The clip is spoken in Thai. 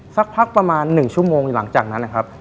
สักพักประมาณ๑ชั่วโมงหลังจากนั้นนะครับ